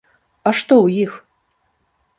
А што ў іх?